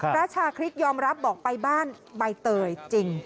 พระชาคริสยอมรับบอกไปบ้านใบเตยจริง